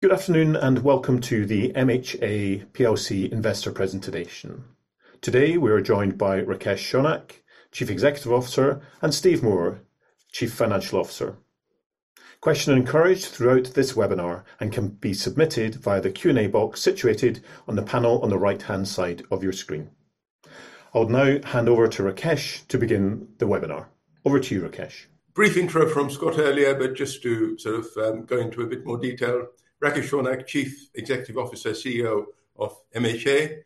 Good afternoon, and welcome to the MHA plc investor presentation. Today, we are joined by Rakesh Shaunak, Chief Executive Officer, and Steve Moore, Chief Financial Officer. Questions are encouraged throughout this webinar and can be submitted via the Q&A box situated on the panel on the right-hand side of your screen. I'll now hand over to Rakesh to begin the webinar. Over to you, Rakesh. Brief intro from Scott earlier, but just to sort of go into a bit more detail. Rakesh Shaunak, Chief Executive Officer, CEO of MHA.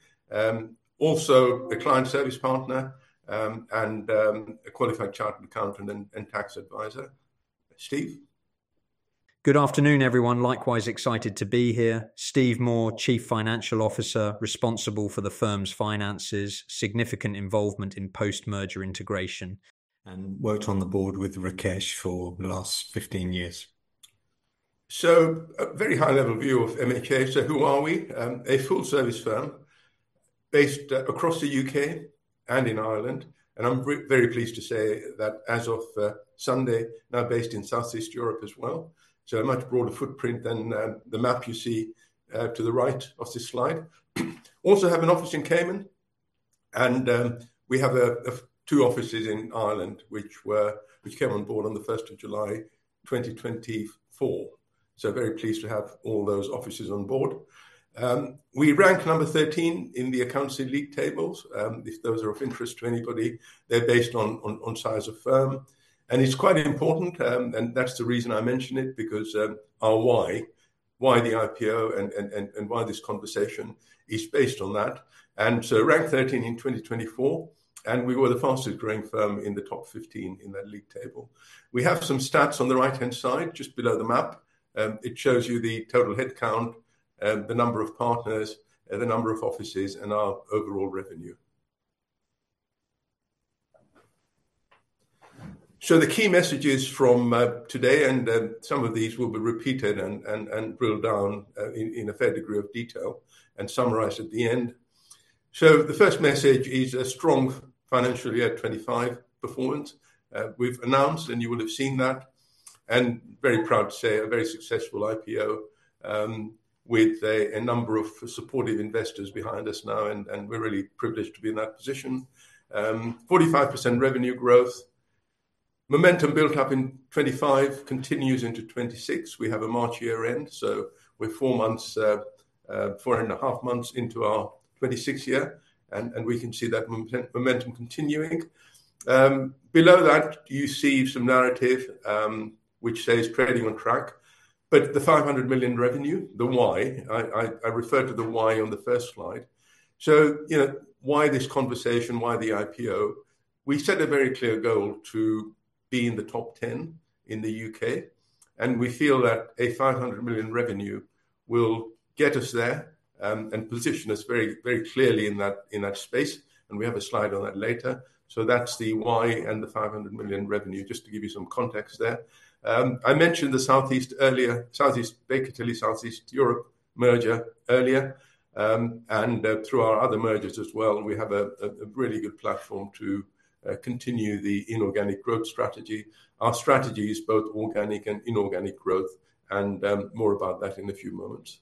Also a client service partner, and a qualified chartered accountant and tax advisor. Steve. Good afternoon, everyone. Likewise excited to be here. Steve Moore, Chief Financial Officer, responsible for the firm's finances, significant involvement in post-merger integration, and worked on the board with Rakesh for the last 15 years. A very high-level view of MHA. Who are we? A full-service firm based across the U.K. and in Ireland, and I'm very pleased to say that as of Sunday, now based in South East Europe as well, so a much broader footprint than the map you see to the right of this slide. Also have an office in Cayman, and we have two offices in Ireland which came on board on the 1st of July 2024. Very pleased to have all those offices on board. We rank number 13 in the Accountancy Age League Tables. If those are of interest to anybody, they're based on size of firm, and it's quite important, and that's the reason I mention it, because our why the IPO and why this conversation is based on that. Rank 13 in 2024, and we were the fastest-growing firm in the top 15 in that league table. We have some stats on the right-hand side, just below the map. It shows you the total headcount, the number of partners, the number of offices, and our overall revenue. The key messages from today, and some of these will be repeated and drilled down in a fair degree of detail and summarized at the end. The first message is a strong FY 2025 performance. We've announced, and you will have seen that, and very proud to say, a very successful IPO with a number of supportive investors behind us now, and we're really privileged to be in that position. 45% revenue growth. Momentum built up in 2025 continues into 2026. We have a March year-end, so we're four and a half months into our 2026 year, and we can see that momentum continuing. Below that you see some narrative, which says trading on track. The 500 million revenue, the why. I referred to the why on the first slide. Why this conversation? Why the IPO? We set a very clear goal to be in the top 10 in the U.K., and we feel that a 500 million revenue will get us there, and position us very clearly in that space. We have a slide on that later. That's the why and the 500 million revenue, just to give you some context there. I mentioned the South East earlier. Baker Tilly South East Europe merger earlier. Through our other mergers as well, we have a really good platform to continue the inorganic growth strategy. Our strategy is both organic and inorganic growth, and more about that in a few moments.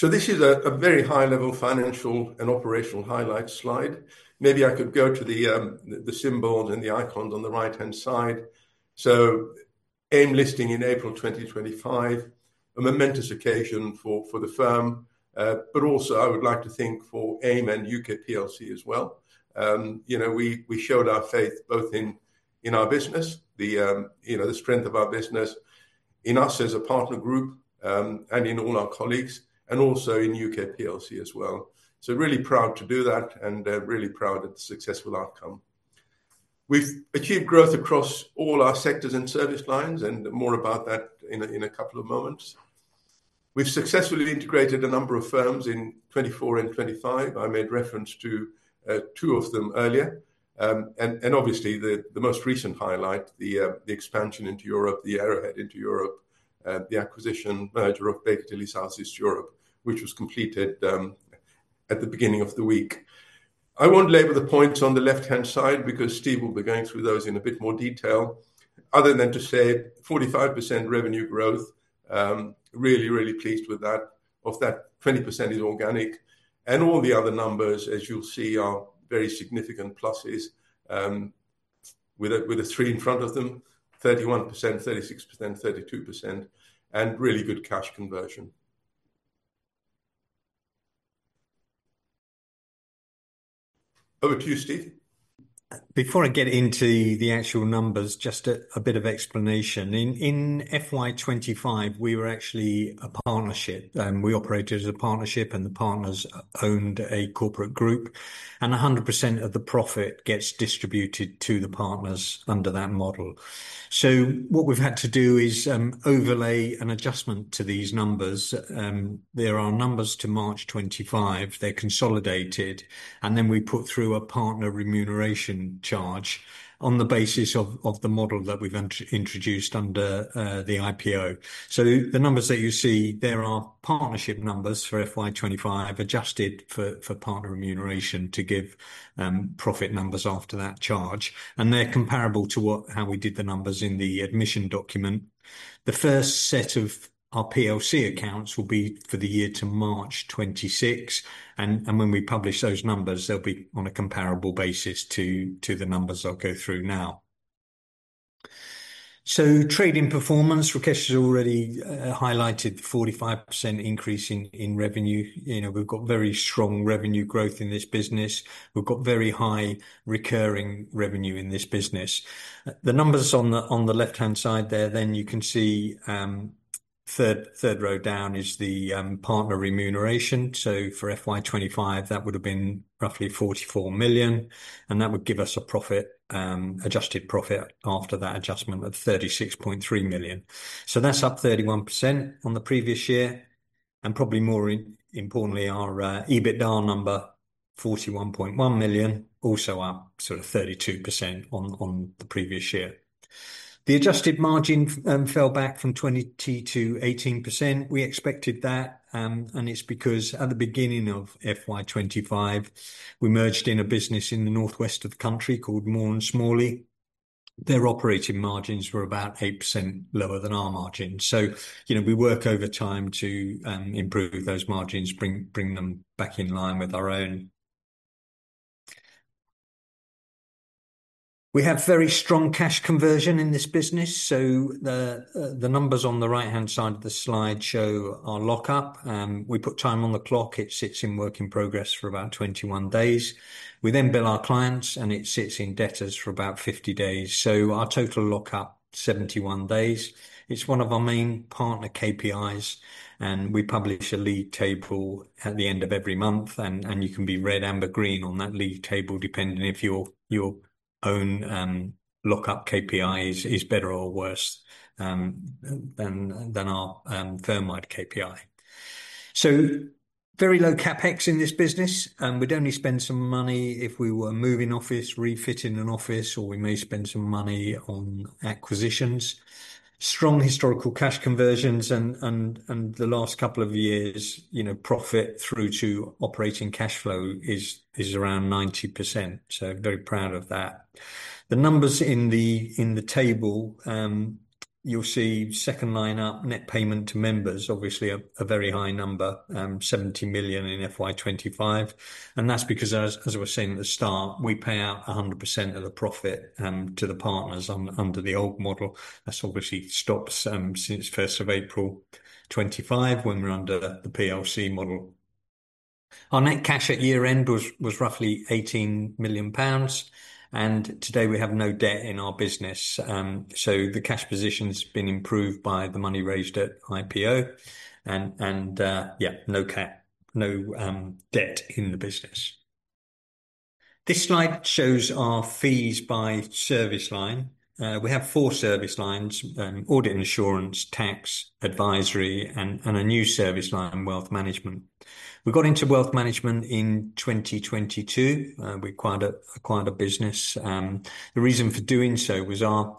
This is a very high-level financial and operational highlights slide. Maybe I could go to the symbols and the icons on the right-hand side. AIM listing in April 2025. A momentous occasion for the firm, but also I would like to think for AIM and U.K. PLC as well. We showed our faith both in our business, the strength of our business, in us as a partner group, and in all our colleagues, and also in U.K. PLC as well. Really proud to do that and really proud at the successful outcome. We've achieved growth across all our sectors and service lines, and more about that in a couple of moments. We've successfully integrated a number of firms in 2024 and 2025. I made reference to two of them earlier. Obviously the most recent highlight, the expansion into Europe, the foray into Europe, the acquisition merger of Baker Tilly South East Europe, which was completed at the beginning of the week. I won't labor the points on the left-hand side because Steve will be going through those in a bit more detail, other than to say 45% revenue growth. Really, really pleased with that. Of that, 20% is organic, and all the other numbers, as you'll see, are very significant pluses with a three in front of them, 31%, 36%, 32%, and really good cash conversion. Over to you, Steve. Before I get into the actual numbers, just a bit of explanation. In FY 2025, we were actually a partnership, and we operated as a partnership, and the partners owned a corporate group, and 100% of the profit gets distributed to the partners under that model. What we've had to do is overlay an adjustment to these numbers. They're our numbers to March 2025. They're consolidated, and then we put through a partner remuneration charge on the basis of the model that we've introduced under the IPO. The numbers that you see there are partnership numbers for FY 2025, adjusted for partner remuneration to give profit numbers after that charge, and they're comparable to how we did the numbers in the admission document. The first set of our plc accounts will be for the year to March 2026, and when we publish those numbers, they'll be on a comparable basis to the numbers I'll go through now. Trading performance, Rakesh has already highlighted the 45% increase in revenue. We've got very strong revenue growth in this business. We've got very high recurring revenue in this business. The numbers on the left-hand side there then you can see, third row down is the partner remuneration. For FY 2025, that would have been roughly 44 million, and that would give us an adjusted profit after that adjustment of 36.3 million. That's up 31% on the previous year, and probably more importantly, our EBITDA number, 41.1 million, also up sort of 32% on the previous year. The adjusted margin fell back from 20%-18%. We expected that, and it's because at the beginning of FY 2025, we merged in a business in the northwest of the country called Moore & Smalley. Their operating margins were about 8% lower than our margins. We work over time to improve those margins, bring them back in line with our own. We have very strong cash conversion in this business. The numbers on the right-hand side of the slide show our lock-up. We put time on the clock. It sits in work in progress for about 21 days. We then bill our clients, and it sits in debtors for about 50 days. Our total lock-up, 71 days. It's one of our main partner KPIs, and we publish a league table at the end of every month, and you can be red, amber, green on that league table, depending if your own lock-up KPI is better or worse than our firm-wide KPI. Very low CapEx in this business. We'd only spend some money if we were moving office, refitting an office, or we may spend some money on acquisitions. Strong historical cash conversions and the last couple of years profit through to operating cash flow is around 90%. Very proud of that. The numbers in the table, you'll see second line up, net payment to members, obviously a very high number, 70 million in FY 2025. That's because, as I was saying at the start, we pay out 100% of the profit to the partners under the old model. That's obviously stopped since 1st of April, 2025 when we're under the PLC model. Our net cash at year-end was roughly 18 million pounds, and today we have no debt in our business. The cash position's been improved by the money raised at IPO, and yeah, no debt in the business. This slide shows our fees by service line. We have four service lines: Audit & Assurance, Tax, Advisory, and a new service line, Wealth Management. We got into Wealth Management in 2022. We acquired a business. The reason for doing so was our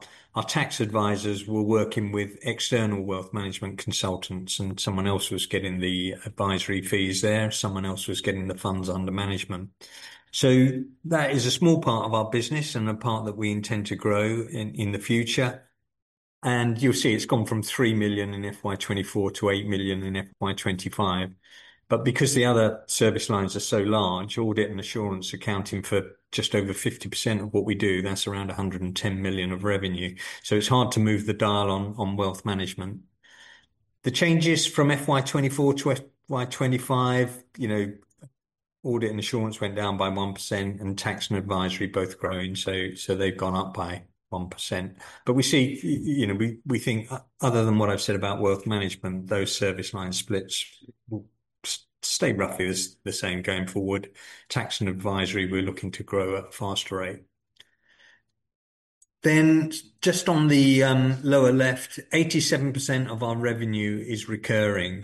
tax advisors were working with external Wealth Management consultants, and someone else was getting the Advisory fees there. Someone else was getting the funds under management. That is a small part of our business and a part that we intend to grow in the future. You'll see it's gone from 3 million in FY 2024 to 8 million in FY 2025. Because the other service lines are so large, Audit & Assurance accounting for just over 50% of what we do, that's around 110 million of revenue. It's hard to move the dial on Wealth Management. The changes from FY 2024 to FY 2025, Audit & Assurance went down by 1%, and Tax and Advisory are both growing, so they've gone up by 1%. We think other than what I've said about Wealth Management, those service line splits will stay roughly the same going forward. Tax and Advisory, we're looking to grow at a faster rate. Just on the lower left, 87% of our revenue is recurring.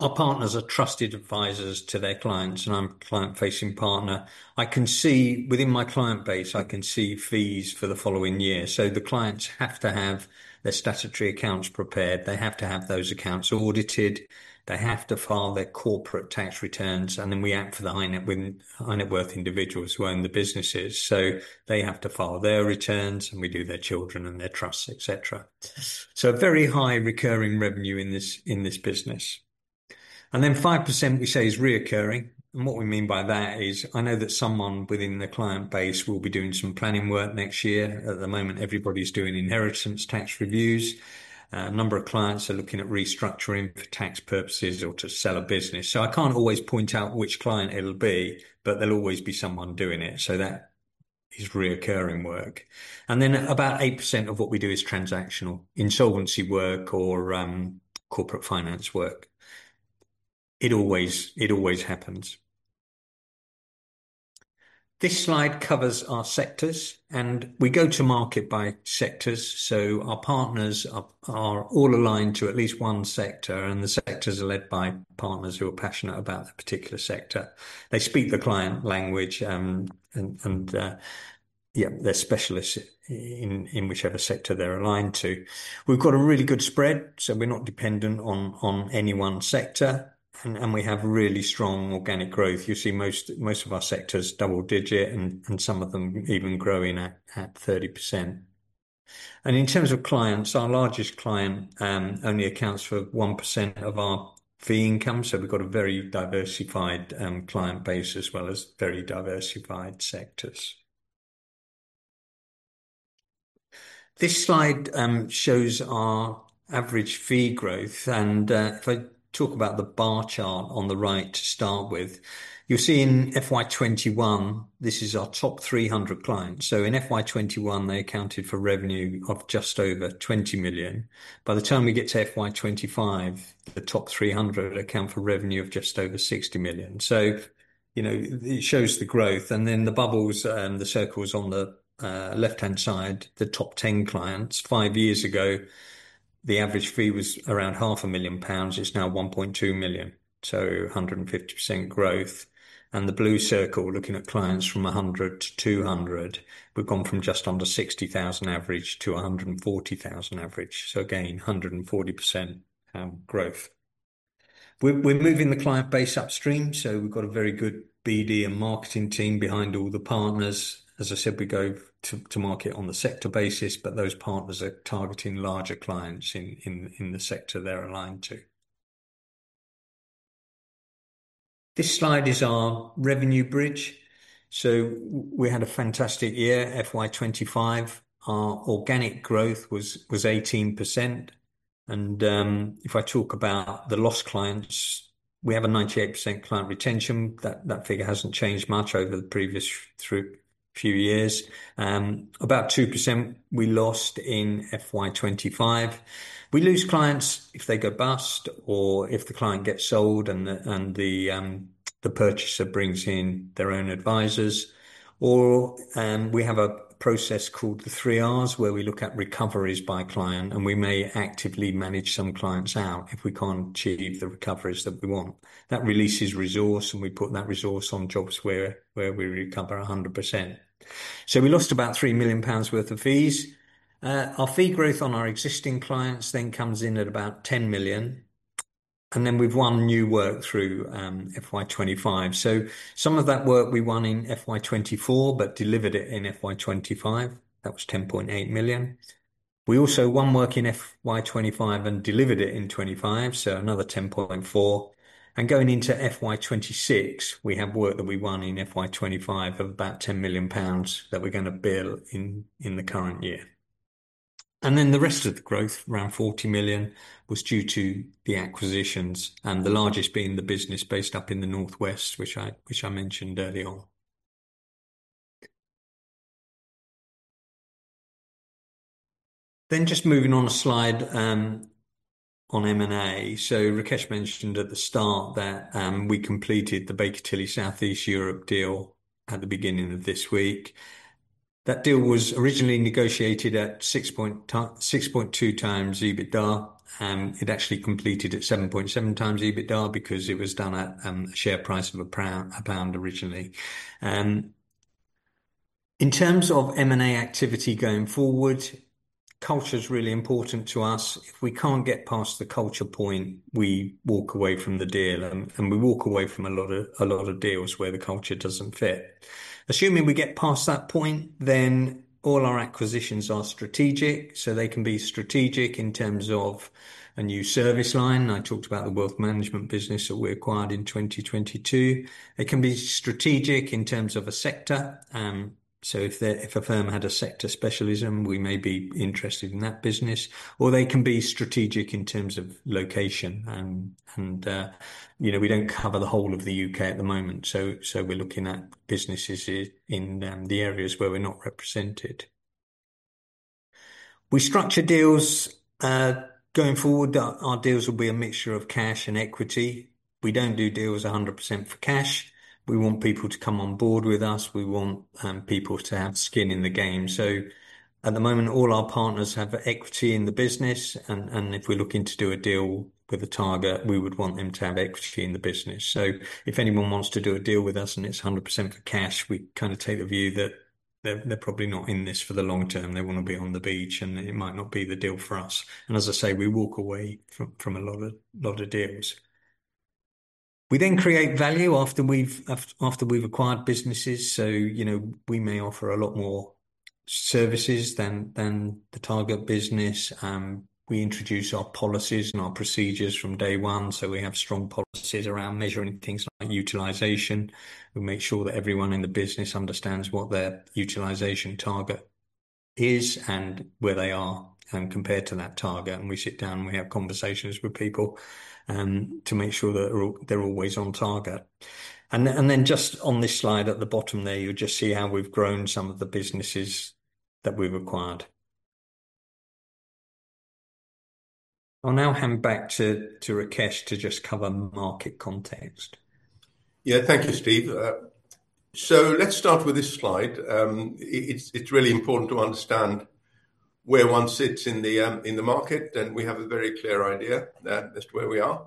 Our partners are trusted advisors to their clients, and I'm a client-facing partner. Within my client base, I can see fees for the following year. The clients have to have their statutory accounts prepared. They have to have those accounts audited. They have to file their corporate tax returns, and then we act for the high-net-worth individuals who own the businesses. They have to file their returns, and we do their children and their trusts, et cetera. Very high recurring revenue in this business. Then 5%, we say, is recurring. What we mean by that is I know that someone within the client base will be doing some planning work next year. At the moment, everybody's doing inheritance tax reviews. A number of clients are looking at restructuring for tax purposes or to sell a business. I can't always point out which client it'll be, but there'll always be someone doing it. That is recurring work. Then about 8% of what we do is transactional. Insolvency work or corporate finance work. It always happens. This slide covers our sectors, and we go to market by sectors. Our partners are all aligned to at least one sector, and the sectors are led by partners who are passionate about the particular sector. They speak the client language, and they're specialists in whichever sector they're aligned to. We've got a really good spread, so we're not dependent on any one sector, and we have really strong organic growth. You see most of our sectors double-digit, and some of them even growing at 30%. In terms of clients, our largest client only accounts for 1% of our fee income. We've got a very diversified client base as well as very diversified sectors. This slide shows our average fee growth, and if I talk about the bar chart on the right to start with, you'll see in FY 2021, this is our top 300 clients. In FY 2021, they accounted for revenue of just over 20 million. By the time we get to FY 2025, the top 300 account for revenue of just over 60 million. It shows the growth. Then the bubbles and the circles on the left-hand side, the top 10 clients, five years ago, the average fee was around 500,000 pounds. It's now 1.2 million. 150% growth. The blue circle, looking at clients from 100-200, we've gone from just under 60,000 average to 140,000 average. Again, 140% growth. We're moving the client base upstream, so we've got a very good BD and marketing team behind all the partners. As I said, we go to market on the sector basis, but those partners are targeting larger clients in the sector they're aligned to. This slide is our revenue bridge. We had a fantastic year, FY 2025. Our organic growth was 18%. If I talk about the lost clients, we have a 98% client retention. That figure hasn't changed much over the previous few years. About 2% we lost in FY 2025. We lose clients if they go bust or if the client gets sold and the purchaser brings in their own advisors. We have a process called the 3Rs, where we look at recoveries by client, and we may actively manage some clients out if we can't achieve the recoveries that we want. That releases resource, and we put that resource on jobs where we recover 100%. We lost about 3 million pounds worth of fees. Our fee growth on our existing clients then comes in at about 10 million. We've won new work through FY 2025. Some of that work we won in FY 2024, but delivered it in FY 2025. That was 10.8 million. We also won work in FY 2025 and delivered it in FY 2025, so another 10.4 million. Going into FY 2026, we have work that we won in FY 2025 of about 10 million pounds that we're going to bill in the current year. The rest of the growth, around 40 million, was due to the acquisitions and the largest being the business based up in the northwest, which I mentioned earlier on. Just moving on a slide on M&A. Rakesh mentioned at the start that we completed the Baker Tilly South East Europe deal at the beginning of this week. That deal was originally negotiated at 6.2x EBITDA. It actually completed at 7.7x EBITDA because it was done at a share price of GBP 1 originally. In terms of M&A activity going forward, culture's really important to us. If we can't get past the culture point, we walk away from the deal, and we walk away from a lot of deals where the culture doesn't fit. Assuming we get past that point, then all our acquisitions are strategic, so they can be strategic in terms of a new service line. I talked about the Wealth Management business that we acquired in 2022. It can be strategic in terms of a sector. If a firm had a sector specialism, we may be interested in that business. They can be strategic in terms of location, and we don't cover the whole of the U.K. at the moment, so we're looking at businesses in the areas where we're not represented. We structure deals. Going forward, our deals will be a mixture of cash and equity. We don't do deals 100% for cash. We want people to come on board with us. We want people to have skin in the game. At the moment, all our partners have equity in the business, and if we're looking to do a deal with a target, we would want them to have equity in the business. If anyone wants to do a deal with us and it's 100% for cash, we take the view that they're probably not in this for the long term. They want to be on the beach, and it might not be the deal for us. As I say, we walk away from a lot of deals. We then create value after we've acquired businesses. We may offer a lot more services than the target business. We introduce our policies and our procedures from day one. We have strong policies around measuring things like utilization. We make sure that everyone in the business understands what their utilization target is and where they are compared to that target. We sit down, we have conversations with people to make sure that they're always on target. Then just on this slide at the bottom there, you'll just see how we've grown some of the businesses that we've acquired. I'll now hand back to Rakesh to just cover market context. Yeah. Thank you, Steve. Let's start with this slide. It's really important to understand where one sits in the market, and we have a very clear idea as to where we are,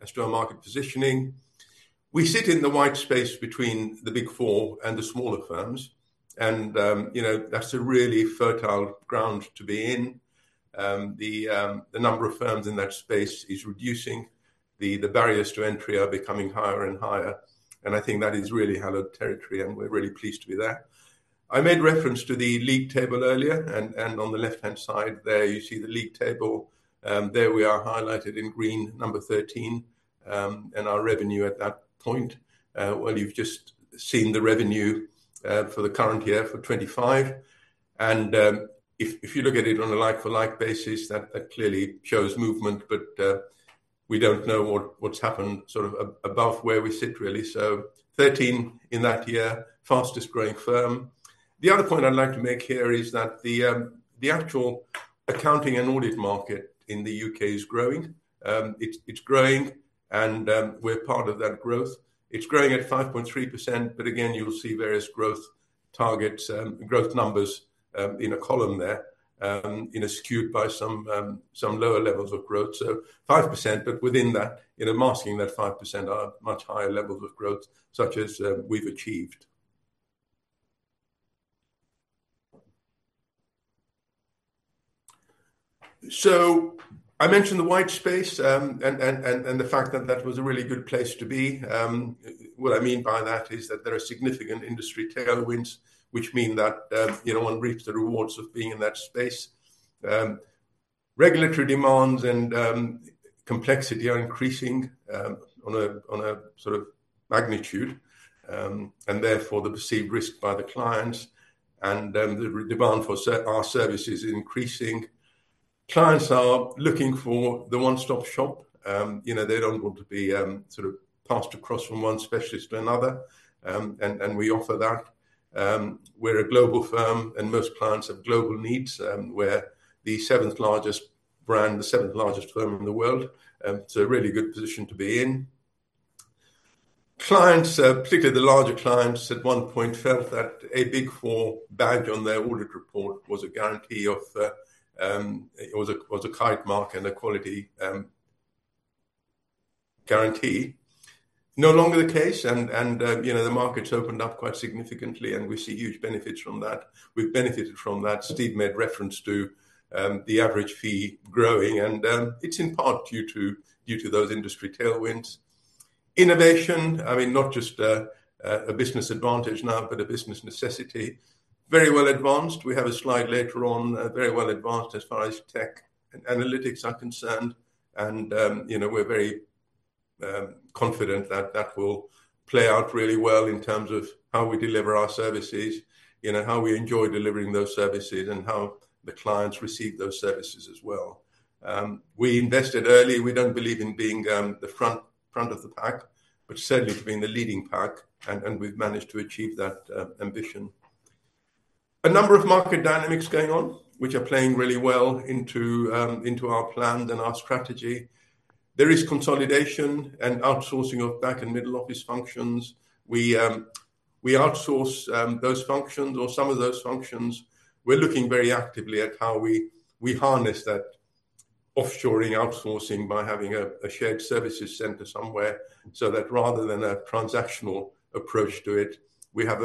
as to our market positioning. We sit in the white space between the Big Four and the smaller firms, and that's a really fertile ground to be in. The number of firms in that space is reducing. The barriers to entry are becoming higher and higher, and I think that is really hallowed territory, and we're really pleased to be there. I made reference to the league table earlier and on the left-hand side there you see the league table. There we are highlighted in green, number 13, and our revenue at that point. Well, you've just seen the revenue for the current year for FY 2025. If you look at it on a like-for-like basis, that clearly shows movement, but we don't know what's happened above where we sit really. 13 in that year, fastest growing firm. The other point I'd like to make here is that the actual accounting and audit market in the U.K. is growing. It's growing and we're part of that growth. It's growing at 5.3%, but again, you'll see various growth targets, growth numbers in a column there, skewed by some lower levels of growth. 5%, but within that, masking that 5% are much higher levels of growth such as we've achieved. I mentioned the white space, and the fact that that was a really good place to be. What I mean by that is that there are significant industry tailwinds which mean that one reaps the rewards of being in that space. Regulatory demands and complexity are increasing on a magnitude, and therefore the perceived risk by the clients and the demand for our services is increasing. Clients are looking for the one-stop shop. They don't want to be passed across from one specialist to another, and we offer that. We're a global firm and most clients have global needs. We're the seventh largest brand, the seventh largest firm in the world. It's a really good position to be in. Clients, particularly the larger clients, at one point felt that a Big Four badge on their audit report was a guarantee of it. It was a kite mark and a quality guarantee. No longer the case, and the market's opened up quite significantly, and we see huge benefits from that. We've benefited from that. Steve made reference to the average fee growing, and it's in part due to those industry tailwinds. Innovation, I mean, not just a business advantage now, but a business necessity. Very well advanced. We have a slide later on. Very well advanced as far as tech and analytics are concerned. We're very confident that that will play out really well in terms of how we deliver our services, how we enjoy delivering those services, and how the clients receive those services as well. We invested early. We don't believe in being the front of the pack, but certainly for being the leading pack, and we've managed to achieve that ambition. A number of market dynamics going on, which are playing really well into our plans and our strategy. There is consolidation and outsourcing of back and middle office functions. We outsource those functions or some of those functions. We're looking very actively at how we harness that offshoring outsourcing by having a shared services center somewhere, so that rather than a transactional approach to it, we have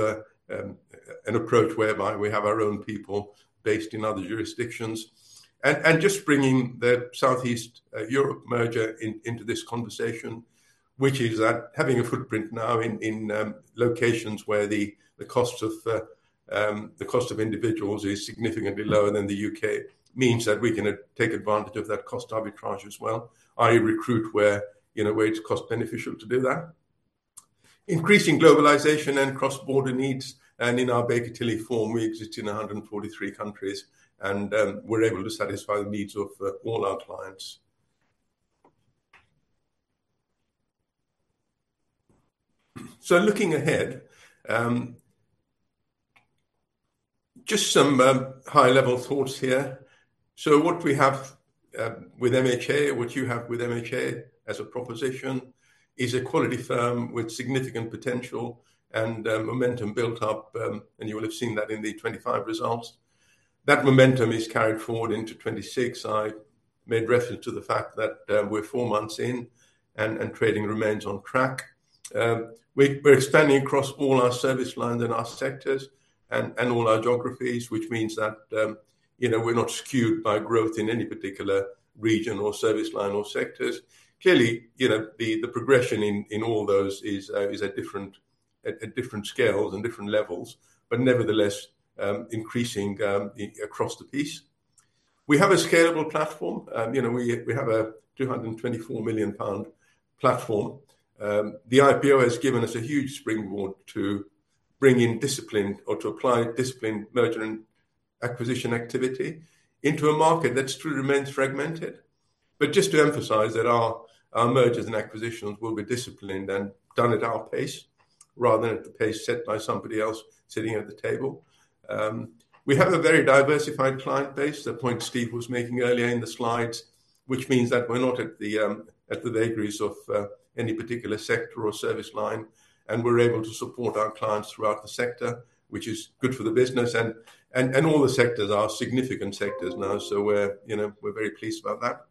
an approach whereby we have our own people based in other jurisdictions. Just bringing the South East Europe merger into this conversation, which is that having a footprint now in locations where the cost of individuals is significantly lower than the U.K. means that we can take advantage of that cost arbitrage as well, i.e., recruit where it's cost beneficial to do that. Increasing globalization and cross-border needs, and in our Baker Tilly firm, we exist in 143 countries, and we're able to satisfy the needs of all our clients. Looking ahead, just some high-level thoughts here. What we have with MHA, what you have with MHA as a proposition is a quality firm with significant potential and momentum built up, and you will have seen that in the FY 2025 results. That momentum is carried forward into FY 2026. I made reference to the fact that we're four months in and trading remains on track. We're expanding across all our service lines and our sectors and all our geographies, which means that we're not skewed by growth in any particular region or service line or sectors. Clearly, the progression in all those is at different scales and different levels, but nevertheless, increasing across the piece. We have a scalable platform. We have a 224 million pound platform. The IPO has given us a huge springboard to bring in discipline or to apply discipline merger and acquisition activity into a market that still remains fragmented. Just to emphasize that our mergers and acquisitions will be disciplined and done at our pace rather than at the pace set by somebody else sitting at the table. We have a very diversified client base, the point Steve was making earlier in the slides, which means that we're not at the vagaries of any particular sector or service line, and we're able to support our clients throughout the sector, which is good for the business, and all the sectors are significant sectors now. We're very pleased about that.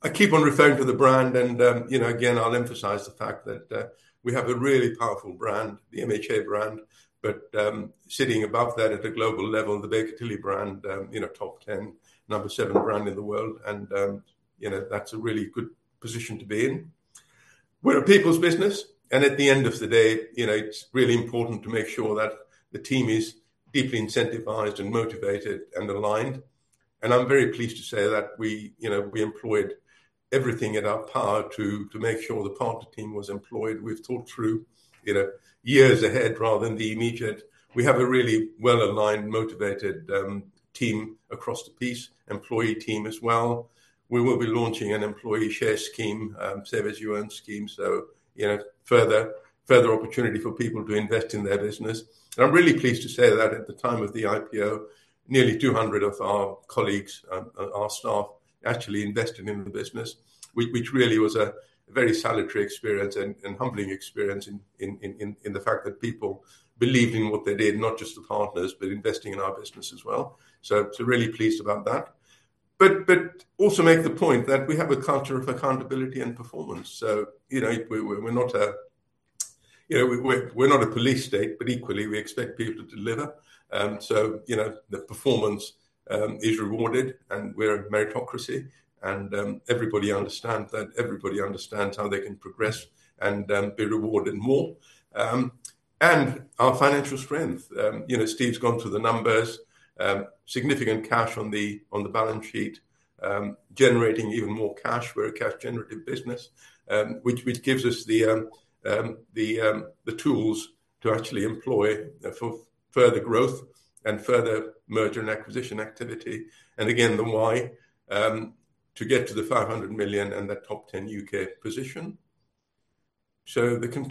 I keep on referring to the brand, and again, I'll emphasize the fact that we have a really powerful brand, the MHA brand, but sitting above that at the global level, the Baker Tilly brand, top 10, number seven brand in the world, and that's a really good position to be in. We're a people's business, and at the end of the day, it's really important to make sure that the team is deeply incentivized and motivated and aligned. I'm very pleased to say that we employed everything in our power to make sure the partner team was employed. We've thought through years ahead rather than the immediate. We have a really well-aligned, motivated team across the piece, employee team as well. We will be launching an employee share scheme, Save As You Earn scheme, so further opportunity for people to invest in their business. I'm really pleased to say that at the time of the IPO, nearly 200 of our colleagues, our staff, actually invested in the business, which really was a very salutary experience and humbling experience in the fact that people believed in what they did, not just the partners, but investing in our business as well. Really pleased about that. Also make the point that we have a culture of accountability and performance. We're not a police state, but equally we expect people to deliver. The performance is rewarded and we're a meritocracy and everybody understands that. Everybody understands how they can progress and be rewarded more. Our financial strength. Steve's gone through the numbers. Significant cash on the balance sheet, generating even more cash. We're a cash generative business, which gives us the tools to actually employ for further growth and further merger and acquisition activity. Again, the why, to get to the 500 million and that top 10 U.K. position. The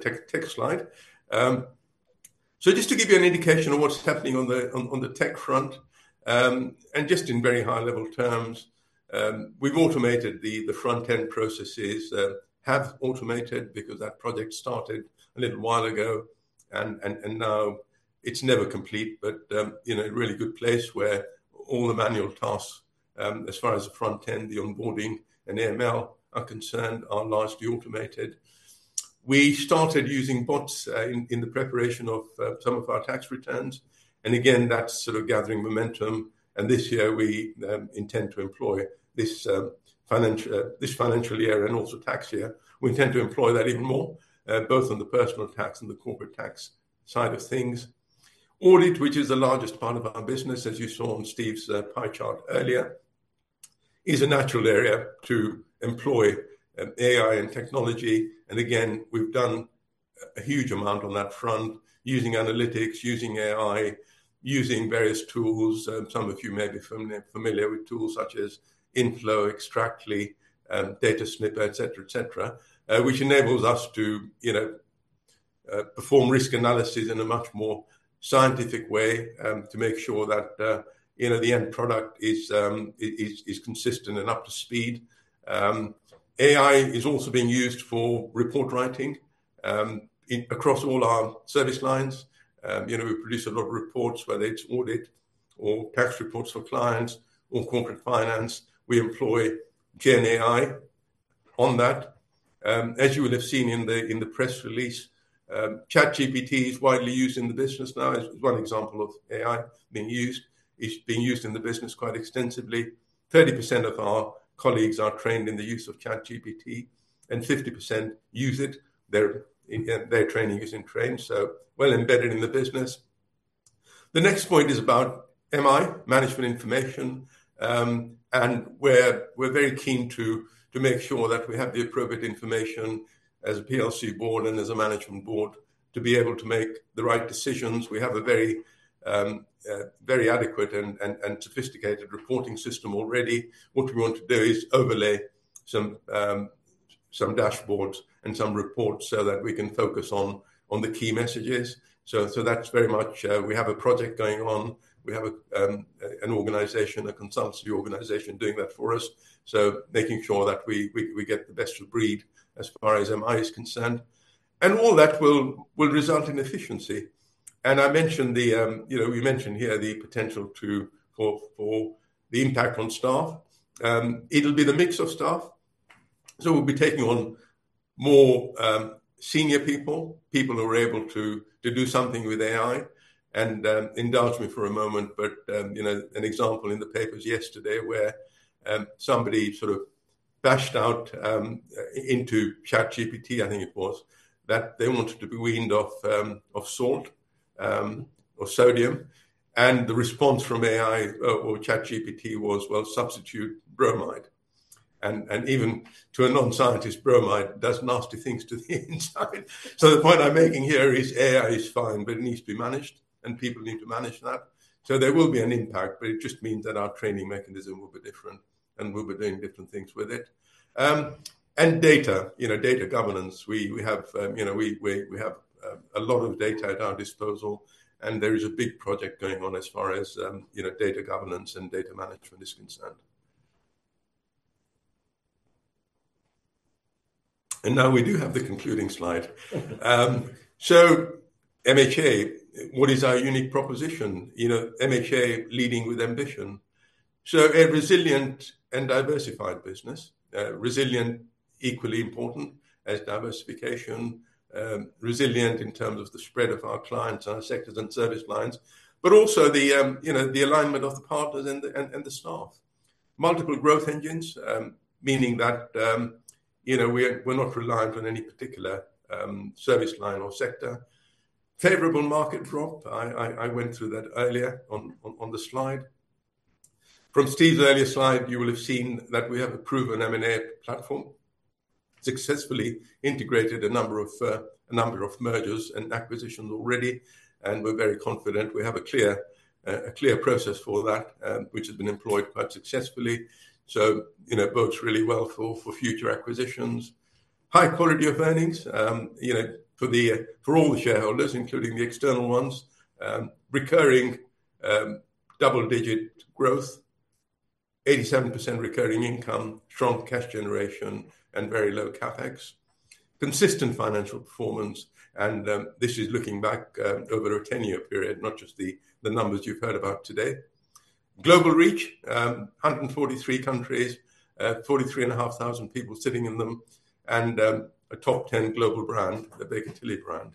tech slide. Just to give you an indication of what's happening on the tech front, and just in very high-level terms, we've automated the front-end processes because that project started a little while ago, and now it's nearly complete, but in a really good place where all the manual tasks, as far as the front-end, the onboarding and AML are concerned, are largely automated. We started using bots in the preparation of some of our tax returns, and again, that's sort of gathering momentum. This year we intend to employ this financial year and also tax year, we intend to employ that even more, both on the personal tax and the corporate tax side of things. Audit, which is the largest part of our business, as you saw on Steve's pie chart earlier, is a natural area to employ AI and technology. We've done a huge amount on that front using analytics, using AI, using various tools. Some of you may be familiar with tools such as Inflo, Extractly, DataSnipper, et cetera, which enables us to perform risk analysis in a much more scientific way, to make sure that the end product is consistent and up to speed. AI is also being used for report writing, across all our service lines. We produce a lot of reports, whether it's audit or tax reports for clients or corporate finance. We employ GenAI on that. As you will have seen in the press release, ChatGPT is widely used in the business now as one example of AI being used. It's being used in the business quite extensively. 30% of our colleagues are trained in the use of ChatGPT, and 50% use it. Their training is in train, so well embedded in the business. The next point is about MI, Management Information. We're very keen to make sure that we have the appropriate information as a PLC board and as a management board to be able to make the right decisions. We have a very adequate and sophisticated reporting system already. What we want to do is overlay some dashboards and some reports so that we can focus on the key messages. That's very much. We have a project going on. We have an organization, a consultancy organization, doing that for us. Making sure that we get the best of breed as far as MI is concerned. All that will result in efficiency. We mentioned here the potential for the impact on staff. It'll be the mix of staff. We'll be taking on more senior people who are able to do something with AI. Indulge me for a moment, but an example in the papers yesterday where somebody sort of bashed out into ChatGPT, I think it was, that they wanted to be weaned off salt, off sodium, and the response from AI or ChatGPT was, well, substitute bromide. Even to a non-scientist, bromide does nasty things to the inside. The point I'm making here is AI is fine, but it needs to be managed, and people need to manage that. There will be an impact, but it just means that our training mechanism will be different and we'll be doing different things with it. Data. Data governance. We have a lot of data at our disposal, and there is a big project going on as far as data governance and data management is concerned. Now we do have the concluding slide. MHA, what is our unique proposition? MHA, leading with ambition. A resilient and diversified business. Resilient, equally important as diversification, resilient in terms of the spread of our clients, our sectors, and service lines. Also the alignment of the partners and the staff. Multiple growth engines, meaning that we're not reliant on any particular service line or sector. Favorable market backdrop, I went through that earlier on the slide. From Steve's earlier slide, you will have seen that we have a proven M&A platform. Successfully integrated a number of mergers and acquisitions already, and we're very confident we have a clear process for that, which has been employed quite successfully. It bodes really well for future acquisitions. High quality of earnings for all the shareholders, including the external ones. Recurring double-digit growth. 87% recurring income, strong cash generation, and very low CapEx. Consistent financial performance, and this is looking back over a 10-year period, not just the numbers you've heard about today. Global reach, 143 countries. 43,500 people sitting in them, and a top 10 global brand, the Baker Tilly brand.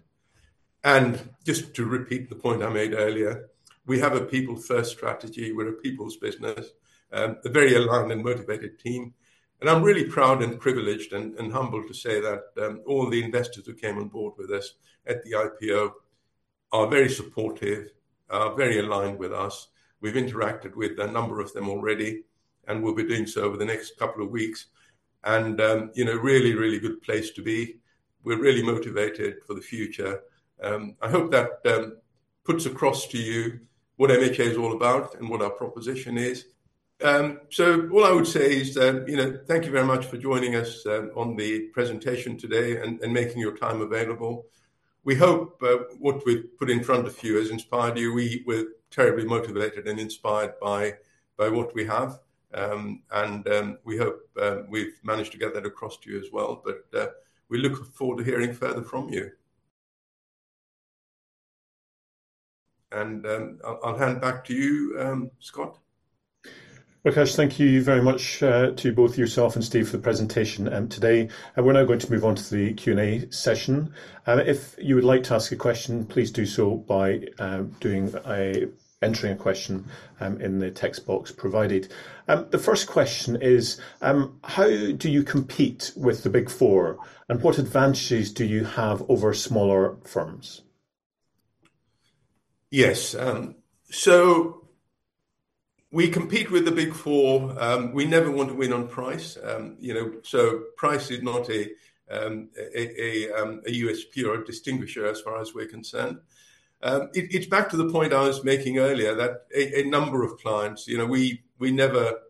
Just to repeat the point I made earlier, we have a people first strategy. We're a people's business, a very aligned and motivated team. I'm really proud and privileged and humbled to say that all the investors who came on board with us at the IPO are very supportive, are very aligned with us. We've interacted with a number of them already, and we'll be doing so over the next couple of weeks. Really good place to be. We're really motivated for the future. I hope that puts across to you what MHA is all about and what our proposition is. All I would say is thank you very much for joining us on the presentation today and making your time available. We hope what we've put in front of you has inspired you. We're terribly motivated and inspired by what we have. We hope we've managed to get that across to you as well. We look forward to hearing further from you. I'll hand back to you, Scott. Rakesh, thank you very much to both yourself and Steve for the presentation today. We're now going to move on to the Q&A session. If you would like to ask a question, please do so by entering a question in the text box provided. The first question is, how do you compete with the Big Four, and what advantages do you have over smaller firms? Yes. We compete with the Big Four. We never want to win on price. Price is not a USP or a distinguisher as far as we're concerned. It's back to the point I was making earlier that a number of clients, we never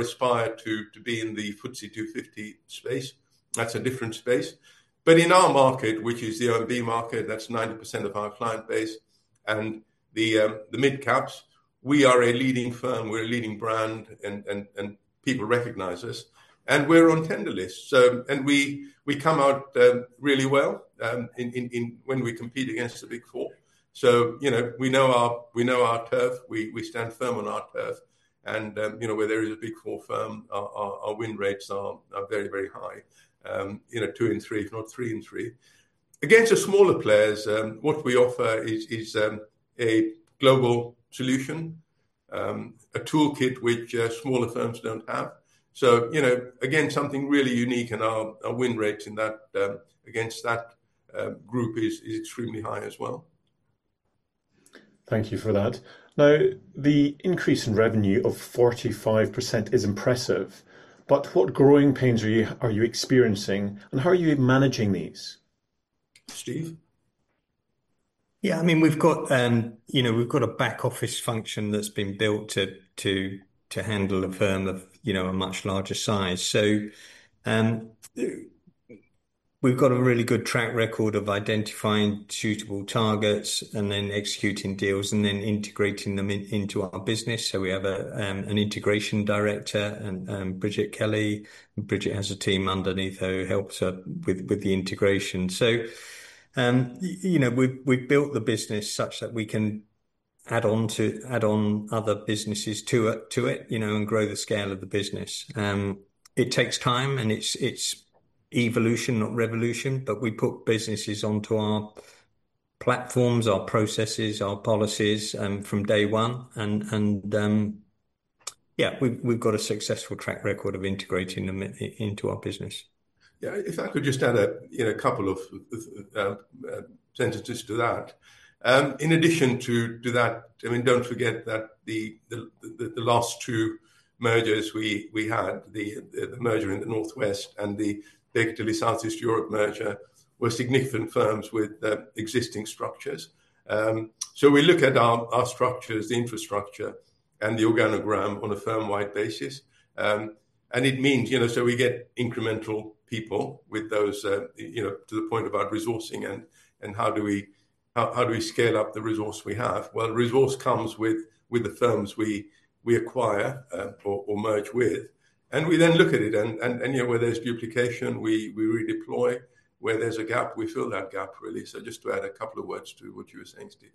aspired to be in the FTSE 250 space. That's a different space. In our market, which is the OMB market, that's 90% of our client base, and the mid caps, we are a leading firm. We're a leading brand, and people recognize us. We're on tender lists. We come out really well when we compete against the Big Four. We know our turf, we stand firm on our turf. Where there is a Big Four firm, our win rates are very high. Two in three, if not three in three. Against the smaller players, what we offer is a global solution. A toolkit which smaller firms don't have. Again, something really unique, and our win rates against that group is extremely high as well. Thank you for that. Now, the increase in revenue of 45% is impressive. What growing pains are you experiencing, and how are you managing these? Steve? Yeah, we've got a back office function that's been built to handle a firm of a much larger size. We've got a really good track record of identifying suitable targets and then executing deals and then integrating them into our business. We have an integration director, Bridget Kelly. Bridget has a team underneath her who helps her with the integration. We've built the business such that we can add on other businesses to it, and grow the scale of the business. It takes time, and it's evolution, not revolution. We put businesses onto our platforms, our processes, our policies from day one. Yeah, we've got a successful track record of integrating them into our business. Yeah, if I could just add a couple of sentences to that. In addition to that, don't forget that the last two mergers we had, the merger in the Northwest and the Baker Tilly South East Europe merger, were significant firms with existing structures. We look at our structures, the infrastructure, and the organogram on a firm-wide basis. We get incremental people with those to the point about resourcing and how do we scale up the resource we have. Well, the resource comes with the firms we acquire or merge with. We then look at it and where there's duplication, we redeploy. Where there's a gap, we fill that gap, really. Just to add a couple of words to what you were saying, Steve.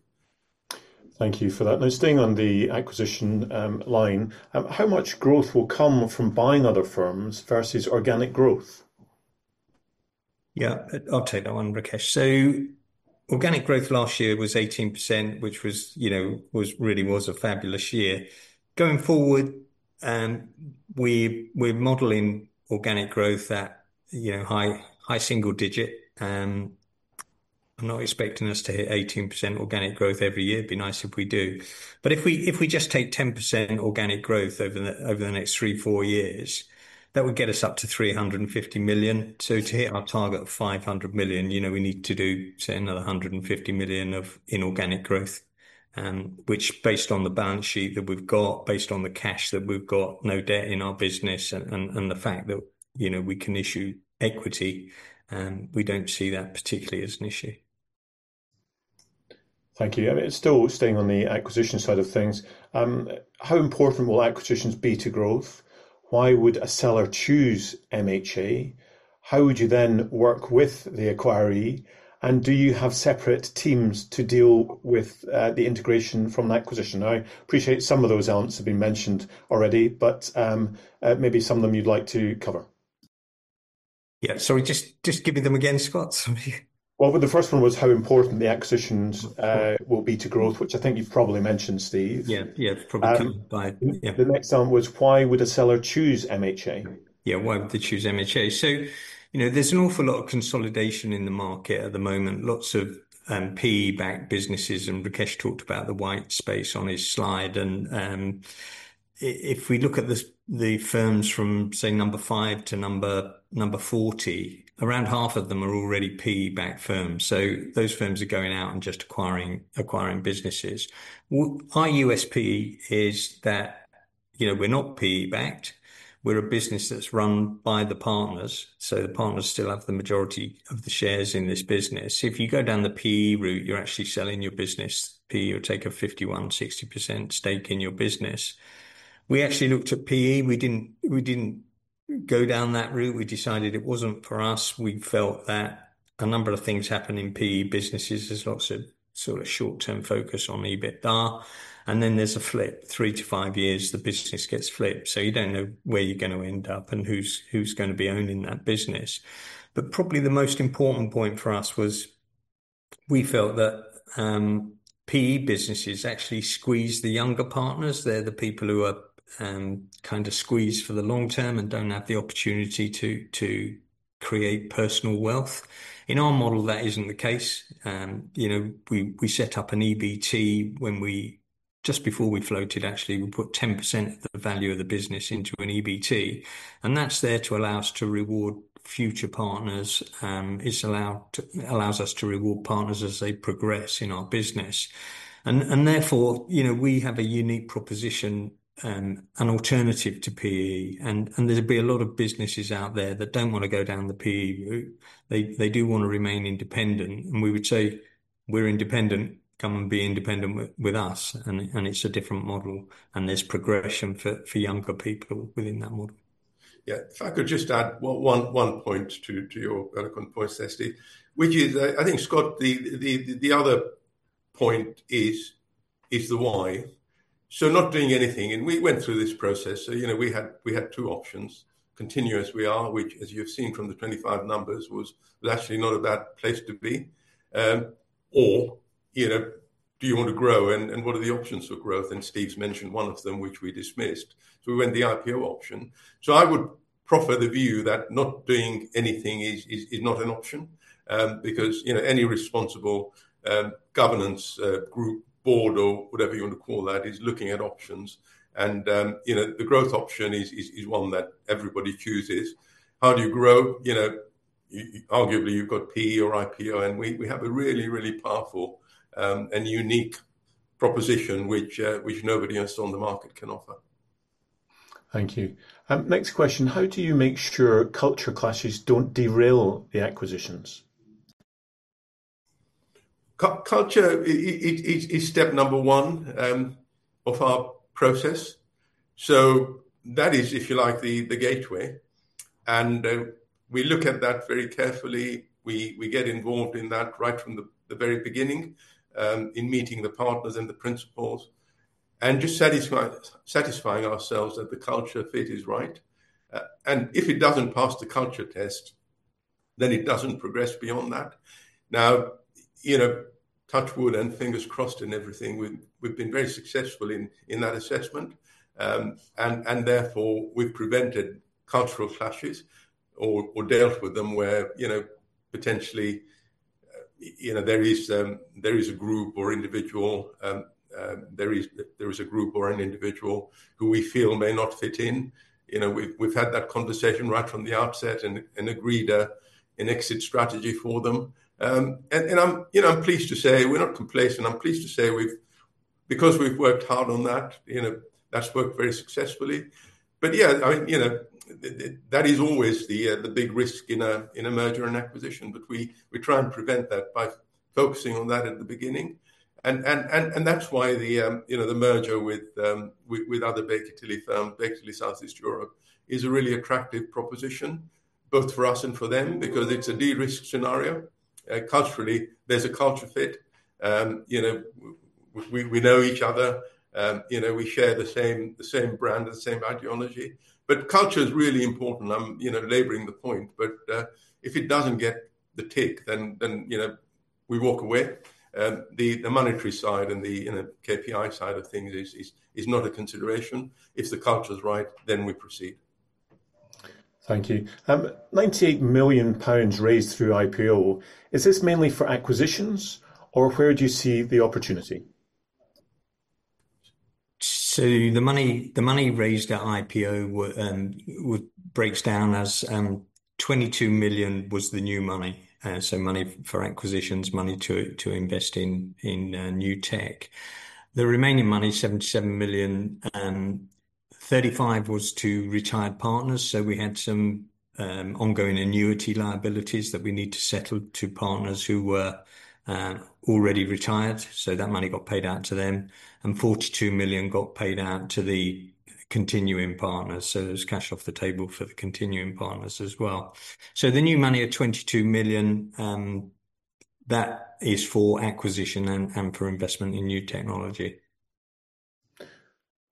Thank you for that. Now staying on the acquisition line, how much growth will come from buying other firms versus organic growth? Yeah. I'll take that one, Rakesh. Organic growth last year was 18%, which really was a fabulous year. Going forward, we're modeling organic growth at high single digit. I'm not expecting us to hit 18% organic growth every year. It'd be nice if we do. If we just take 10% organic growth over the next three, four years, that would get us up to 350 million. To hit our target of 500 million, we need to do, say, another 150 million of inorganic growth, which based on the balance sheet that we've got, based on the cash that we've got, no debt in our business and the fact that we can issue equity, we don't see that particularly as an issue. Thank you. Still staying on the acquisition side of things, how important will acquisitions be to growth? Why would a seller choose MHA? How would you then work with the acquiree? And do you have separate teams to deal with the integration from an acquisition? I appreciate some of those answers have been mentioned already, but maybe some of them you'd like to cover. Yeah. Sorry, just give me them again, Scott. Well, the first one was how important the acquisitions will be to growth, which I think you've probably mentioned, Steve. Yeah. The next one was why would a seller choose MHA? Yeah. Why would they choose MHA? There's an awful lot of consolidation in the market at the moment. Lots of PE-backed businesses, and Rakesh talked about the white space on his slide. If we look at the firms from, say, number five to number 40, around half of them are already PE-backed firms. Those firms are going out and just acquiring businesses. Our USP is that we're not PE-backed. We're a business that's run by the partners, so the partners still have the majority of the shares in this business. If you go down the PE route, you're actually selling your business. PE will take a 51%-60% stake in your business. We actually looked at PE. We didn't go down that route. We decided it wasn't for us. We felt that a number of things happen in PE businesses. There's lots of sort of short-term focus on EBITDA, and then there's a flip. three to five years, the business gets flipped, so you don't know where you're going to end up and who's going to be owning that business. Probably the most important point for us was we felt that PE businesses actually squeeze the younger partners. They're the people who are kind of squeezed for the long term and don't have the opportunity to create personal wealth. In our model, that isn't the case. We set up an EBT just before we floated, actually, we put 10% of the value of the business into an EBT, and that's there to allow us to reward future partners. It allows us to reward partners as they progress in our business. Therefore, we have a unique proposition, an alternative to PE, and there'd be a lot of businesses out there that don't want to go down the PE route. They do want to remain independent. We would say, "We're independent. Come and be independent with us." It's a different model, and there's progression for younger people within that model. Yeah. If I could just add one point to your eloquent point there, Steve, which is, I think, Scott, the other point is the why. Not doing anything, and we went through this process. We had two options. Continue as we are, which, as you have seen from the 2025 numbers, was actually not a bad place to be. Do you want to grow, and what are the options for growth? Steve's mentioned one of them, which we dismissed. We went the IPO option. I would proffer the view that not doing anything is not an option, because any responsible governance group, board, or whatever you want to call that, is looking at options. The growth option is one that everybody chooses. How do you grow? Arguably, you've got PE or IPO, and we have a really, really powerful and unique proposition which nobody else on the market can offer. Thank you. Next question. How do you make sure culture clashes don't derail the acquisitions? Culture is step number one of our process. That is, if you like, the gateway. We look at that very carefully. We get involved in that right from the very beginning, in meeting the partners and the principals and just satisfying ourselves that the culture fit is right. If it doesn't pass the culture test, then it doesn't progress beyond that. Now, touch wood and fingers crossed and everything, we've been very successful in that assessment. Therefore, we've prevented cultural clashes or dealt with them where potentially there is a group or an individual who we feel may not fit in. We've had that conversation right from the outset and agreed an exit strategy for them. I'm pleased to say we're not complacent. I'm pleased to say, because we've worked hard on that's worked very successfully. Yeah, that is always the big risk in a merger and acquisition, but we try and prevent that by focusing on that at the beginning. That's why the merger with other Baker Tilly firm, Baker Tilly South East Europe, is a really attractive proposition both for us and for them, because it's a de-risk scenario. Culturally, there's a culture fit. We know each other. We share the same brand and same ideology. Culture is really important. I'm laboring the point, but if it doesn't get the tick, then we walk away. The monetary side and the KPI side of things is not a consideration. If the culture's right, then we proceed. Thank you. 98 million pounds raised through IPO. Is this mainly for acquisitions or where do you see the opportunity? The money raised at IPO breaks down as 22 million was the new money, so money for acquisitions, money to invest in new tech. The remaining money, 77 million. 35 million was to retired partners, so we had some ongoing annuity liabilities that we need to settle to partners who were already retired. That money got paid out to them, and 42 million got paid out to the continuing partners. There's cash off the table for the continuing partners as well. The new money of 22 million, that is for acquisition and for investment in new technology.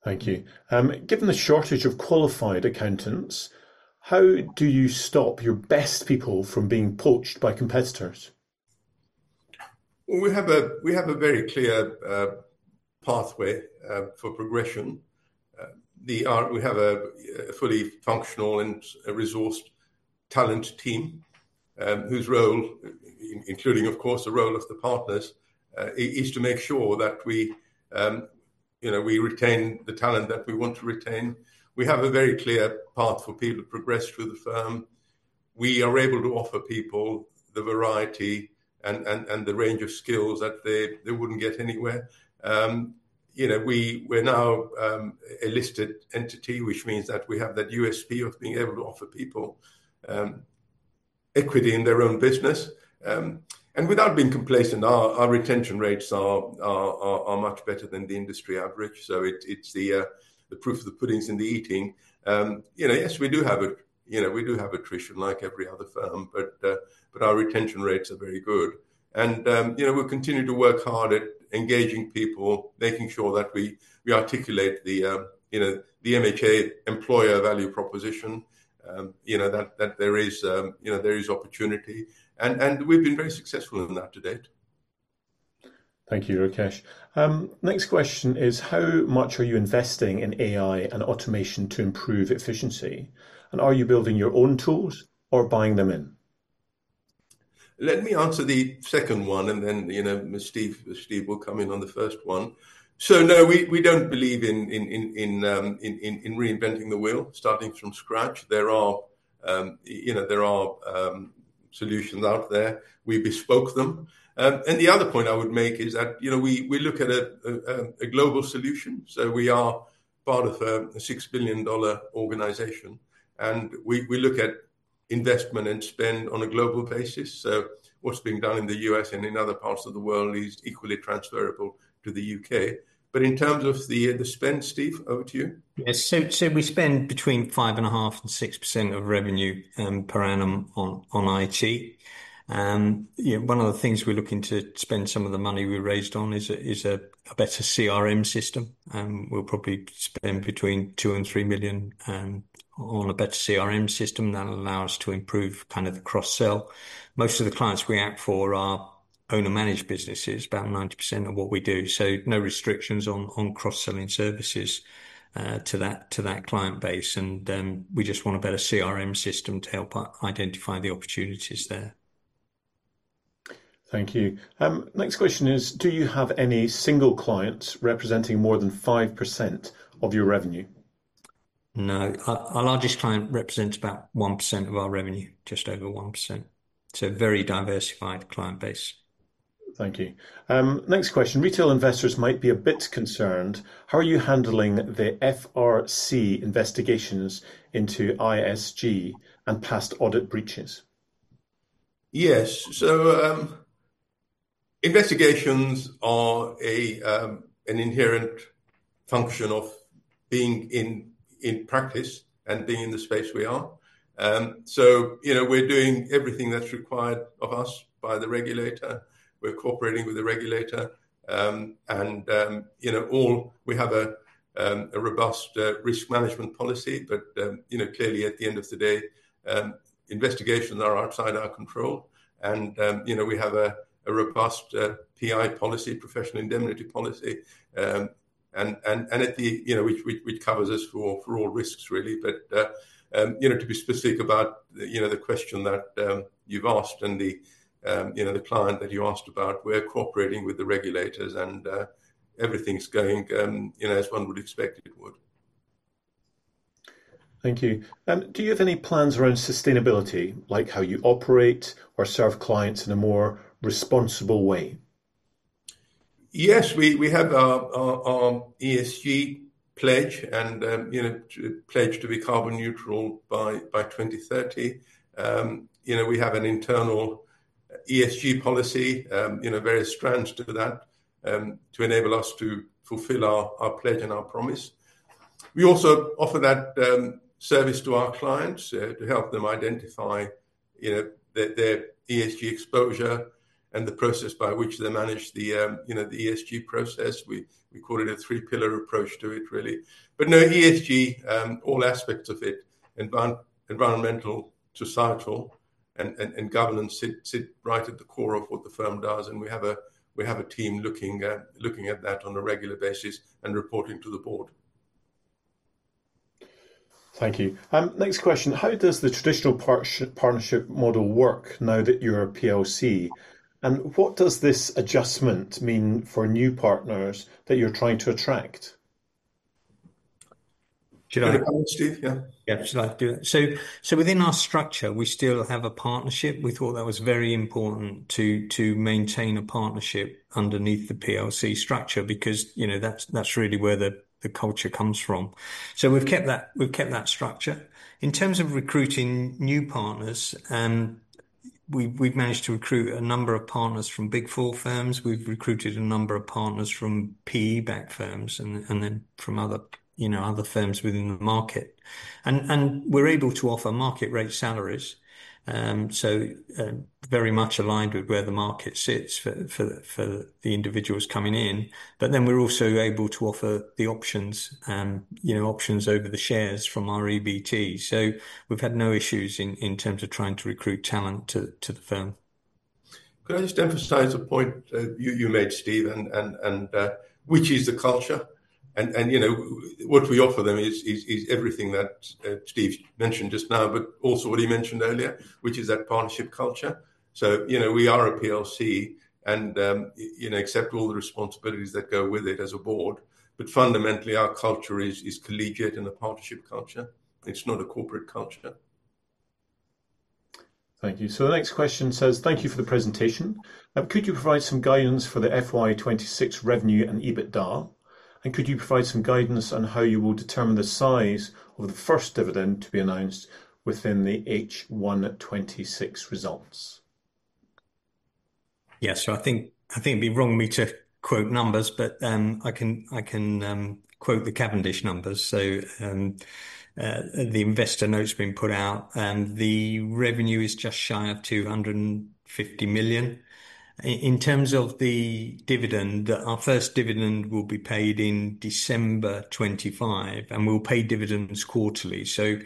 Thank you. Given the shortage of qualified accountants, how do you stop your best people from being poached by competitors? Well, we have a very clear pathway for progression. We have a fully functional and resourced talent team whose role, including, of course, the role of the partners, is to make sure that we retain the talent that we want to retain. We have a very clear path for people to progress through the firm. We are able to offer people the variety and the range of skills that they wouldn't get anywhere. We're now a listed entity, which means that we have that USP of being able to offer people equity in their own business. Without being complacent, our retention rates are much better than the industry average, so the proof of the pudding's in the eating. Yes, we do have attrition like every other firm, but our retention rates are very good. We continue to work hard at engaging people, making sure that we articulate the MHA employer value proposition, that there is opportunity. We've been very successful in that to date. Thank you, Rakesh. Next question is, how much are you investing in AI and automation to improve efficiency? Are you building your own tools or buying them in? Let me answer the second one, and then Steve will come in on the first one. No, we don't believe in reinventing the wheel, starting from scratch. There are solutions out there. We bespoke them. The other point I would make is that we look at a global solution. We are part of a $6 billion organization, and we look at investment and spend on a global basis. What's being done in the U.S. and in other parts of the world is equally transferable to the U.K. In terms of the spend, Steve, over to you. Yes. We spend between 5.5% and 6% of revenue per annum on IT. One of the things we're looking to spend some of the money we raised on is a better CRM system. We'll probably spend between 2 million and 3 million on a better CRM system that'll allow us to improve the cross-sell. Most of the clients we act for are owner-managed businesses, about 90% of what we do. No restrictions on cross-selling services to that client base. We just want a better CRM system to help identify the opportunities there. Thank you. Next question is, do you have any single clients representing more than 5% of your revenue? No. Our largest client represents about 1% of our revenue, just over 1%. A very diversified client base. Thank you. Next question. Retail investors might be a bit concerned. How are you handling the FRC investigations into ISG and past audit breaches? Yes. Investigations are an inherent function of being in practice and being in the space we are. We're doing everything that's required of us by the regulator. We're cooperating with the regulator. We have a robust risk management policy. Clearly at the end of the day, investigations are outside our control. We have a robust PI policy, professional indemnity policy, which covers us for all risks really. To be specific about the question that you've asked and the client that you asked about, we're cooperating with the regulators and everything's going as one would expect it would. Thank you. Do you have any plans around sustainability, like how you operate or serve clients in a more responsible way? Yes. We have our ESG pledge and pledge to be carbon neutral by 2030. We have an internal ESG policy, various strands to that, to enable us to fulfill our pledge and our promise. We also offer that service to our clients to help them identify their ESG exposure and the process by which they manage the ESG process. We call it a three-pillar approach to it, really. Now ESG, all aspects of it, environmental, societal, and governance sit right at the core of what the firm does, and we have a team looking at that on a regular basis and reporting to the board. Thank you. Next question. How does the traditional partnership model work now that you're a PLC, and what does this adjustment mean for new partners that you're trying to attract? Should I answer that, Steve? Yeah. Yeah. Should I do it? Within our structure, we still have a partnership. We thought that was very important to maintain a partnership underneath the PLC structure because that's really where the culture comes from. We've kept that structure. In terms of recruiting new partners, we've managed to recruit a number of partners from Big Four firms. We've recruited a number of partners from PE-backed firms and then from other firms within the market. We're able to offer market-rate salaries. Very much aligned with where the market sits for the individuals coming in. We're also able to offer the options over the shares from our EBT. We've had no issues in terms of trying to recruit talent to the firm. Could I just emphasize a point you made, Steve, and which is the culture and what we offer them is everything that Steve's mentioned just now, but also what he mentioned earlier, which is that partnership culture. We are a PLC and accept all the responsibilities that go with it as a board. Fundamentally, our culture is collegiate and a partnership culture. It's not a corporate culture. Thank you. The next question says, thank you for the presentation. Could you provide some guidance for the FY 2026 revenue and EBITDA? And could you provide some guidance on how you will determine the size of the first dividend to be announced within the H1 2026 results? Yeah. I think it'd be wrong of me to quote numbers, but I can quote the Cavendish numbers. The investor note's been put out, the revenue is just shy of 250 million. In terms of the dividend, our first dividend will be paid in December 2025, and we'll pay dividends quarterly. For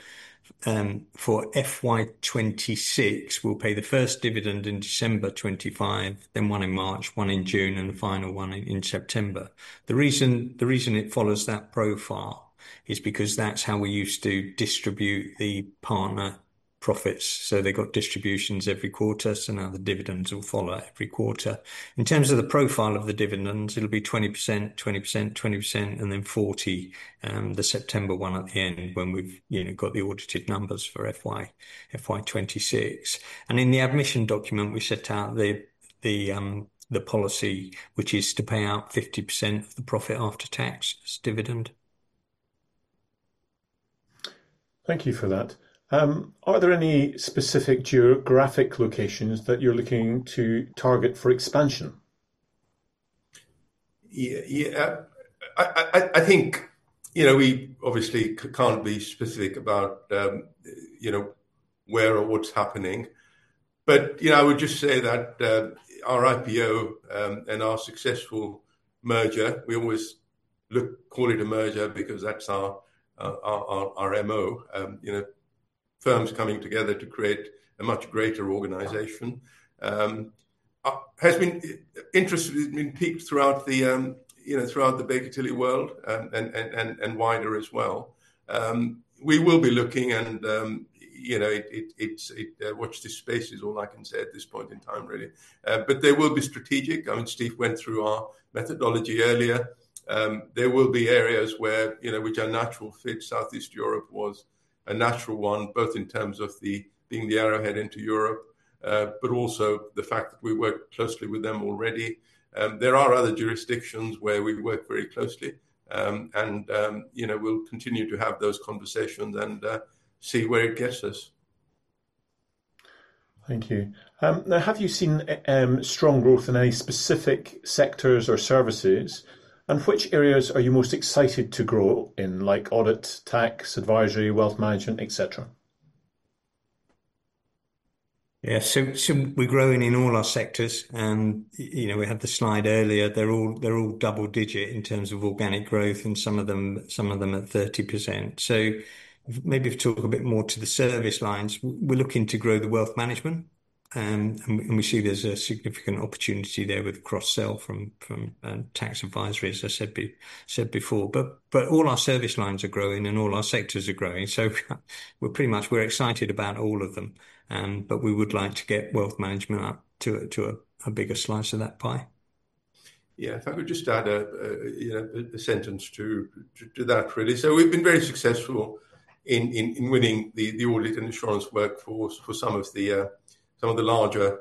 FY 2026, we'll pay the first dividend in December 2025, then one in March, one in June, and the final one in September. The reason it follows that profile is because that's how we used to distribute the partner profits. They got distributions every quarter, so now the dividends will follow every quarter. In terms of the profile of the dividends, it'll be 20%, 20%, 20%, and then 40%, the September one at the end when we've got the audited numbers for FY 2026. In the admission document, we set out the policy, which is to pay out 50% of the profit after tax as dividend. Thank you for that. Are there any specific geographic locations that you're looking to target for expansion? Yeah. I think we obviously can't be specific about where or what's happening. I would just say that our IPO and our successful merger, we always call it a merger because that's our MO. Firms coming together to create a much greater organization. There has been interest that's been piqued throughout the Baker Tilly world, and wider as well. We will be looking and watch this space is all I can say at this point in time, really. They will be strategic. Steve went through our methodology earlier. There will be areas which are natural fit. South East Europe was a natural one, both in terms of being the arrowhead into Europe, but also the fact that we worked closely with them already. There are other jurisdictions where we work very closely. We'll continue to have those conversations and see where it gets us. Thank you. Now, have you seen strong growth in any specific sectors or services, and which areas are you most excited to grow in, like Audit, Tax, Advisory, Wealth Management, et cetera? Yeah. We're growing in all our sectors. We had the slide earlier. They're all double-digit in terms of organic growth and some of them at 30%. Maybe if you talk a bit more to the service lines, we're looking to grow the Wealth Management, and we see there's a significant opportunity there with cross-sell from Tax Advisory, as I said before. All our service lines are growing, and all our sectors are growing. We're pretty much, we're excited about all of them. We would like to get Wealth Management up to a bigger slice of that pie. Yeah. If I could just add a sentence to that, really. We've been very successful in winning the Audit & Assurance work for some of the larger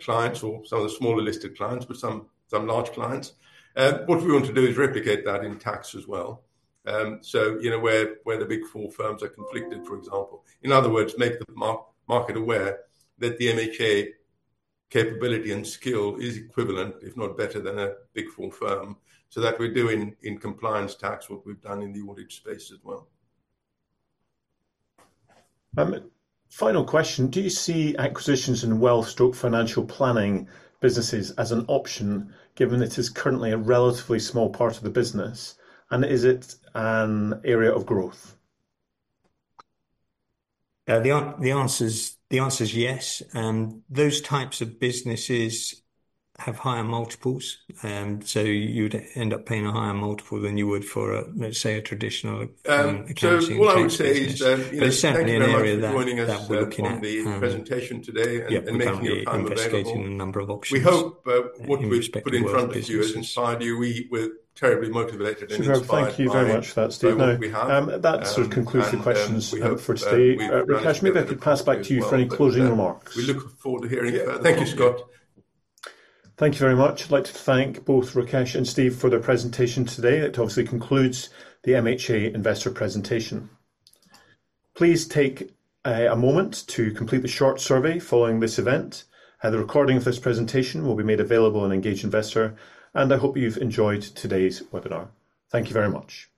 clients or some of the smaller listed clients, but some large clients. What we want to do is replicate that in tax as well. Where the Big Four firms are conflicted, for example. In other words, make the market aware that the MHA capability and skill is equivalent, if not better than a Big Four firm, so that we're doing in compliance tax what we've done in the audit space as well. Final question. Do you see acquisitions in wealth/financial planning businesses as an option, given it is currently a relatively small part of the business, and is it an area of growth? The answer is yes. Those types of businesses have higher multiples. You'd end up paying a higher multiple than you would for, let's say, a traditional accounting or tax business. What I would say is thank you very much for joining us on the presentation today and making your time available. It's certainly an area that we're looking at and yeah, we're currently investigating a number of options in respect of those businesses. We hope what we've put in front of you has inspired you. We're terribly motivated and inspired by what we have. Superb. Thank you very much for that, Steve. Now, that sort of concludes the questions for today. Rakesh, maybe I could pass back to you for any closing remarks. We look forward to hearing from you. Yeah. Thank you, Scott. Thank you very much. I'd like to thank both Rakesh and Steve for their presentation today. That obviously concludes the MHA investor presentation. Please take a moment to complete the short survey following this event. The recording of this presentation will be made available on Engage Investor, and I hope you've enjoyed today's webinar. Thank you very much.